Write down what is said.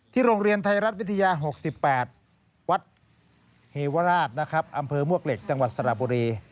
โรงเรียนไทยรัฐวิทยา๖๘วัดเฮวราชนะครับอำเภอมวกเหล็กจังหวัดสระบุรี